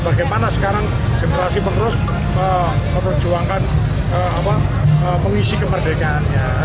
bagaimana sekarang generasi penerus memperjuangkan mengisi kemerdekaannya